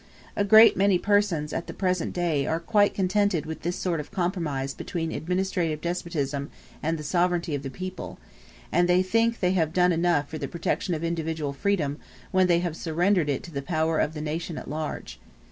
A great many persons at the present day are quite contented with this sort of compromise between administrative despotism and the sovereignty of the people; and they think they have done enough for the protection of individual freedom when they have surrendered it to the power of the nation at large.